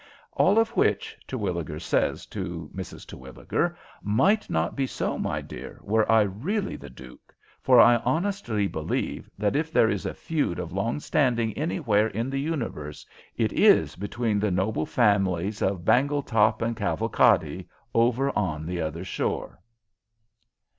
"All of which," Terwilliger says to Mrs. Terwilliger, "might not be so, my dear, were I really the duke, for I honestly believe that if there is a feud of long standing anywhere in the universe, it is between the noble families of Bangletop and Cavalcadi over on the other shore."